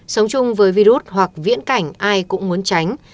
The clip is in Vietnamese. sống chung với virus hoặc viễn cảnh ai cũng muốn tránh